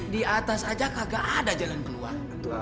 di atas saja kagak ada jalan keluar